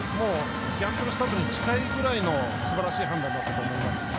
ギャンブルスタートに近いぐらいすばらしい判断だったと思います。